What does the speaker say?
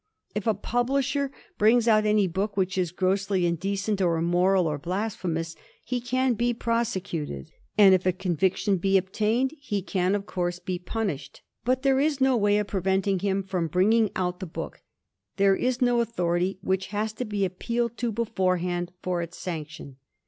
If a publisher brings out any book which is grossly indecent or immoral or blasphemous, he can be prosecuted, and if a conviction be obtained he can of course be punished. But there is no way of preventing him from bringing out the book; there is no authority which has to be appealed to beforehand for its sanction.